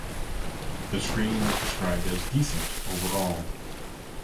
The screen was described as "decent" overall.